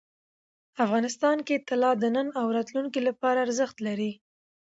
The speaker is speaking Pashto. افغانستان کې طلا د نن او راتلونکي لپاره ارزښت لري.